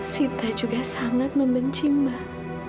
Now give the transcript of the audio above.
sita juga sangat membenci mbak